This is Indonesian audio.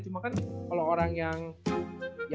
cuma kan kalo orang yang percaya sama hal halnya ya